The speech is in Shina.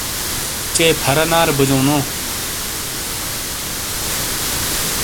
چے پھُرا نارے بجَوں نو۔